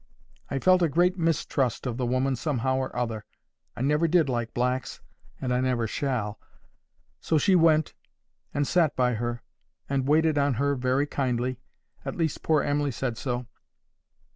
I felt a great mistrust of the woman somehow or other. I never did like blacks, and I never shall. So she went, and sat by her, and waited on her very kindly—at least poor Emily said so.